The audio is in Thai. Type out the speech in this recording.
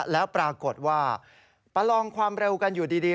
แล้วปรากฏว่าประลองความเร็วกันอยู่ดี